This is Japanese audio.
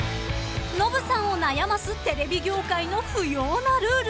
［ノブさんを悩ますテレビ業界の不要なルール］